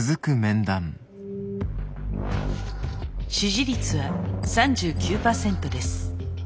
支持率は３９％です。